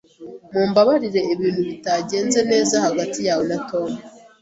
Mumbabarire ibintu bitagenze neza hagati yawe na Tom.